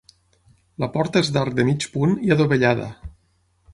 La porta és d'arc de mig punt i adovellada.